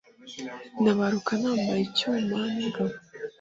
Ntabaruka nambaye icyuma n,ingabo